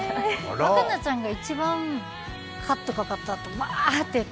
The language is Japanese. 若菜ちゃんが一番、カットかかったあとにワーって。